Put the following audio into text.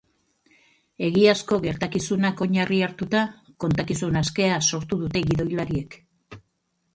Egiazko gertakizunak oinarri hartuta, kontakizun askea sortu dute gidoilariek.